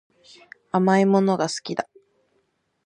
甘いものが好きだ